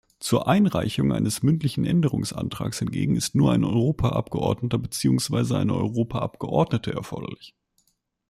Zur Einreichung eines mündlichen Änderungsantrags hingegen ist nur ein Europaabgeordneter beziehungsweise eine Europaabgeordnete erforderlich.